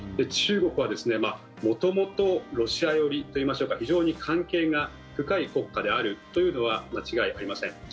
中国は元々ロシア寄りといいましょうか非常に関係が深い国家であるというのは間違いありません。